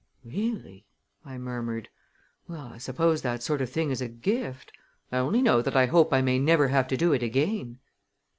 "Really!" I murmured. "Well, I suppose that sort of thing is a gift. I only know that I hope I may never have to do it again."